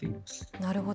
なるほど。